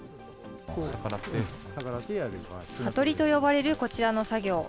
葉取りと呼ばれるこちらの作業。